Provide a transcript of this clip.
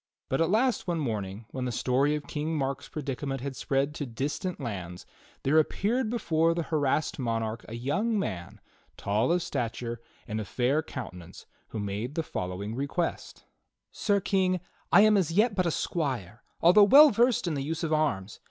But at last one morning, when the story of King Mark's predicament had spread to distant lands, there appeared before the harassed monarch a young man, tall of stature and of fair counte nance, who made the following request: "Sir King, I am as yet but a squire, although well versed in the use of arms.